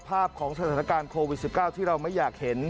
ของสถานการณ์โควิด๑๙ที่เราไม่อยากเห็น